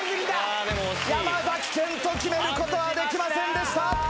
山賢人決めることはできませんでした。